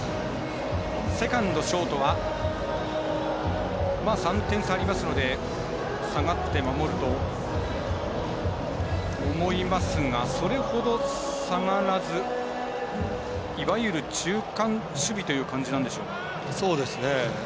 セカンド、ショートは３点差ありますので下がって守ると思いますがそれほど下がらずいわゆる中間守備という感じなんでしょうか。